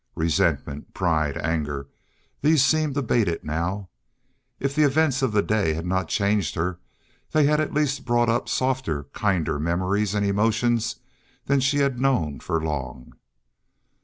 Resentment, pride, anger these seemed abated now. If the events of the day had not changed her, they had at least brought up softer and kinder memories and emotions than she had known for long.